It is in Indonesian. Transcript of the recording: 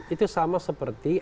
itu sama seperti